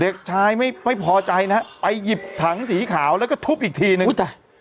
เด็กชายไม่พอใจนะฮะไปหยิบถังสีขาวแล้วก็ทุบอีกทีนึง